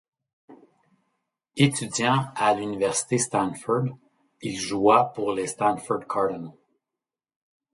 Étudiant à l'université Stanford, il joua pour les Stanford Cardinal.